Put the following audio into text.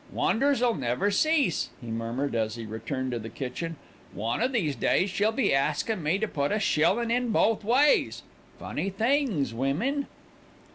"Wonders'll never cease," he murmured, as he returned to the kitchen. "One o' these days she'll be askin' me to put a shillin' on both ways. Funny things, women!"